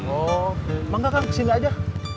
oh maka kang kesini aja